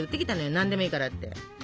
「何でもいいから」って。